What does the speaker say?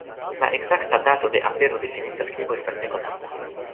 La ekzakta dato de apero de fenica skribo estas nekonata.